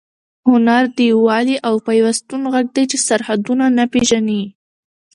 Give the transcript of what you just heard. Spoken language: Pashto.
هنر د یووالي او پیوستون غږ دی چې سرحدونه نه پېژني.